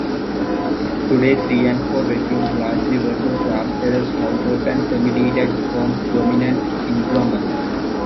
Today three and four-bedroomed, largely working class terraced houses and semi-detached homes dominate Egremont.